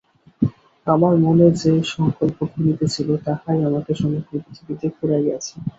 আমার মনে যে সঙ্কল্প ঘুরিতেছিল, তাহাই আমাকে সমগ্র পৃথিবীতে ঘুরাইয়াছে।